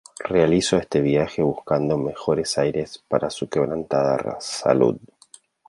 Realizó este viajes buscando mejores aires para su quebrantada salud.